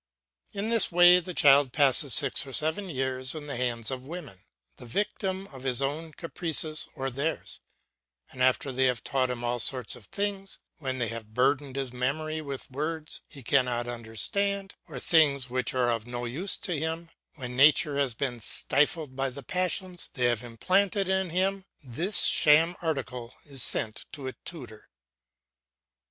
In this way the child passes six or seven years in the hands of women, the victim of his own caprices or theirs, and after they have taught him all sorts of things, when they have burdened his memory with words he cannot understand, or things which are of no use to him, when nature has been stifled by the passions they have implanted in him, this sham article is sent to a tutor.